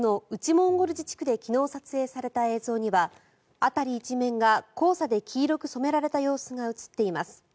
モンゴル自治区で昨日撮影された映像には辺り一面が黄砂で黄色く染められた様子が映っています。